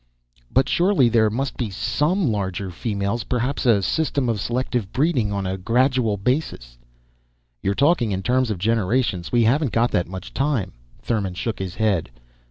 "But surely there must be some larger females! Perhaps a system of selective breeding, on a gradual basis " "You're talking in terms of generations. We haven't got that much time." Thurmon shook his head.